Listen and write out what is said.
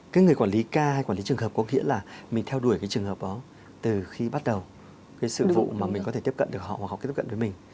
cái người quản lý ca quản lý trường hợp có nghĩa là mình theo đuổi cái trường hợp đó từ khi bắt đầu cái sự vụ mà mình có thể tiếp cận được họ hoặc họ tiếp cận với mình